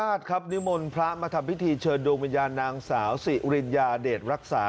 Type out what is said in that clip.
ครับนิมนต์พระมาทำพิธีเชิญดวงวิญญาณนางสาวสิริญญาเดชรักษา